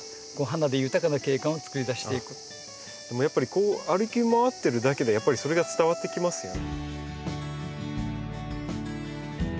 こう歩き回ってるだけでやっぱりそれが伝わってきますね。